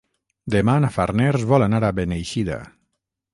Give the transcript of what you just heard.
Demà na Farners vol anar a Beneixida.